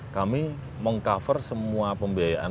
kami meng cover semua pembiayaan